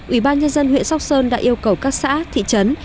ủy ban nhân dân huyện sóc sơn đã yêu cầu các xã thị trấn